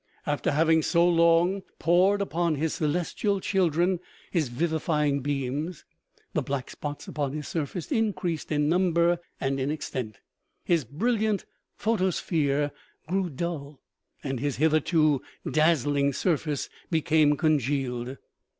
After having so long poured upon his celestial children his vivifying beams, the black spots upon his surface increased in number and in extent, his brilliant photosphere grew dull, and his hitherto daz zling surface became congealed.